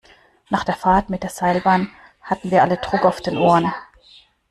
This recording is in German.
Nach der Fahrt mit der Seilbahn hatten wir alle Druck auf den Ohren.